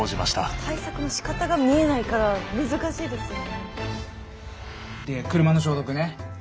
対策のしかたが見えないから難しいですよね。